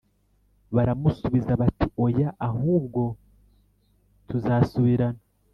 Baramusubiza bati Oya ahubwo tuzasubirana